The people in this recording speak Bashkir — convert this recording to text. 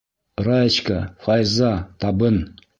Раечка, Файза, табын!